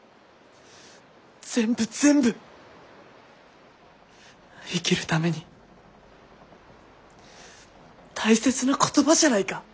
全部全部生きるために大切な言葉じゃないか！